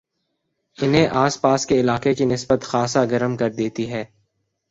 انہیں آس پاس کے علاقے کی نسبت خاصا گرم کردیتی ہے